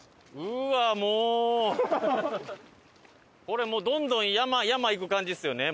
これもうどんどん山行く感じですよね？